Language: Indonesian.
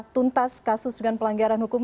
tuntas kasus dengan pelanggaran hukum